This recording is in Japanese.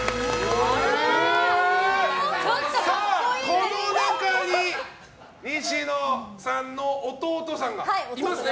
この中に西野さんの弟さんがいますね？